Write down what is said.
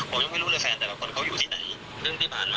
ผมยังไม่รู้เลยแฟนแต่ละคนเขาอยู่ที่ไหน